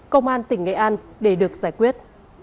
công an tỉnh nghệ an để được giải quyết